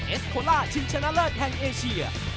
เอสโคล่าชิงชนะเลิศแห่งเอเชีย